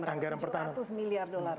anggaran yang meratus tujuh ratus miliar dollar